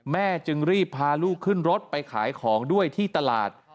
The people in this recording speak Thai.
จึงรีบพาลูกขึ้นรถไปขายของด้วยที่ตลาด